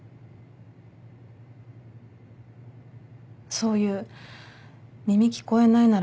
そういう耳聞こえないなら